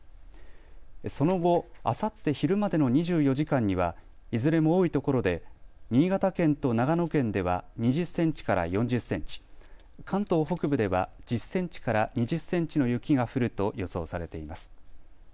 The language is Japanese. その後、あさって昼までの２４時間にはいずれも多いところで新潟県と長野県では２０センチから４０センチ、関東北部では、１０センチから２０センチの雪が降ると予想されています。